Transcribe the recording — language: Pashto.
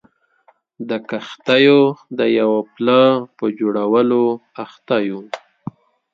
د کښتیو د یوه پله په جوړولو لګیا وو.